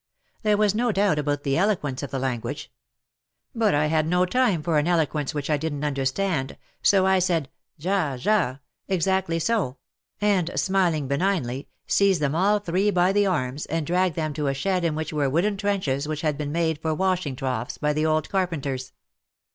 There was no doubt about the eloquence of the language. But I had no time for an eloquence which I didn't understand, so I said " Ja, ja — exactly so," and, smiling benignly, seized them all three by the arms, and dragged them to a shed in which were wooden trenches which had been made for washing troughs by the old carpenters.